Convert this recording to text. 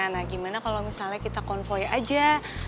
nah gimana kalau misalnya kita konvoy aja